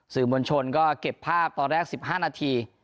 สื่อมวลชนก็เก็บภาพตอนแรก๑๕นาที